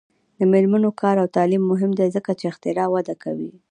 د میرمنو کار او تعلیم مهم دی ځکه چې اختراع وده کوي.